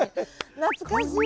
懐かしい。